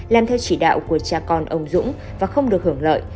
làm theo chỉ đạo của cha con ông dũng và không được hưởng lợi